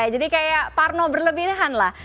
jadi kayak parno berlebihan lah